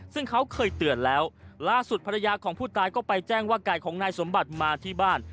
ซึ่งเขาเคยเตือนแล้วล่าสุดภรรยาของผู้ตายก็ไปแจ้งว่าไก่ของนายสมบัติมาที่บ้าน